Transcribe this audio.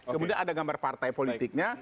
kemudian ada gambar partai politiknya